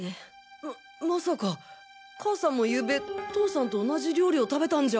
ままさか母さんもゆうべ父さんと同じ料理を食べたんじゃ。